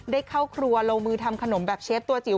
ได้เข้าครัวลงมือทำขนมแบบเชฟตัวจิ๋ว